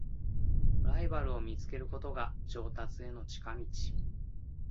ライバルを見つけることが上達への近道